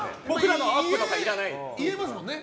言えますもんね！